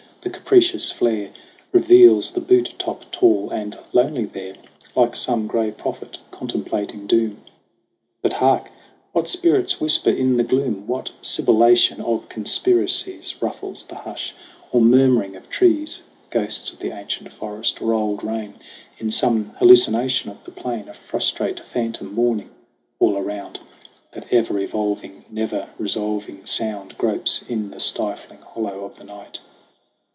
The capricious flare Reveals the butte top tall and lonely there Like some gray prophet contemplating doom. But hark ! What spirits whisper in the gloom ? What sibilation of conspiracies Ruffles the hush or murmuring of trees, Ghosts of the ancient forest or old rain, In some hallucination of the plain, A frustrate phantom mourning ? All around, That e'er evolving, ne'er resolving sound Gropes in the stifling hollow of the night.